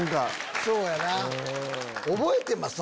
そうやな。